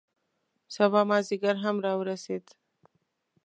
سبا مازدیګر هم را ورسید.